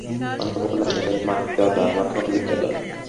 অন্নপূর্ণা কহিলেন, মা, চলো, আমার সঙ্গেই চলো।